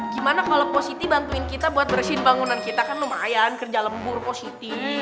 gimana kalo positi bantuin kita buat bersihin bangunan kita kan lumayan kerja lembur positi